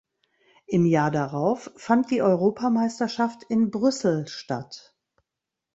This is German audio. Im Jahr darauf fand die Europameisterschaft in Brüssel statt.